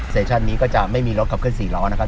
ชั่นนี้ก็จะไม่มีรถขับเคล๔ล้อนะครับ